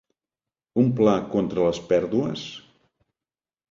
Un pla contra les pèrdues?